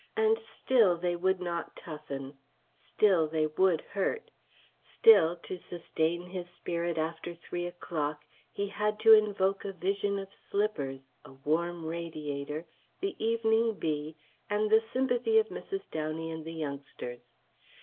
and still they would not toughen; still they would hurt; still to sustain his spirit after three o'clock he had to invoke a vision of slippers, a warm radiator, the Evening Bee, and the sympathy of Mrs. Downey and the youngsters.